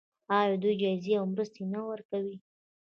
آیا دوی جایزې او مرستې نه ورکوي؟